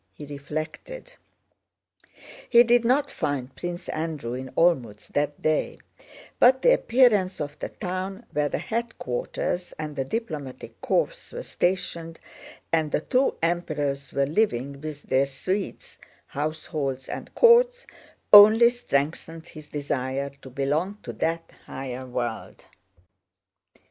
he reflected. He did not find Prince Andrew in Olmütz that day, but the appearance of the town where the headquarters and the diplomatic corps were stationed and the two Emperors were living with their suites, households, and courts only strengthened his desire to belong to that higher world.